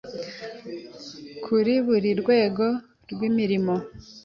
Kuri buri rwego rw’imirimo